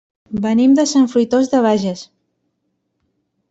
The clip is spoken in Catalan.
Venim de Sant Fruitós de Bages.